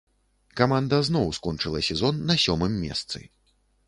Каманда зноў скончыла сезон на сёмым месцы.